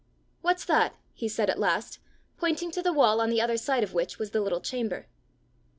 "What's that?" he said at last, pointing to the wall on the other side of which was the little chamber.